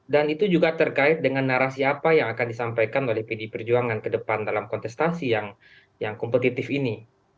dan itu juga terkait dengan narasi apa yang akan disampaikan oleh pd perjuangan ke depan dalam kontestasi yang kompetitif ini